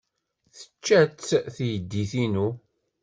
Tečča-tt teydit-inu.